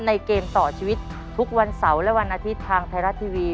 เกมต่อชีวิตทุกวันเสาร์และวันอาทิตย์ทางไทยรัฐทีวี